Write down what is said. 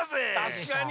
たしかに。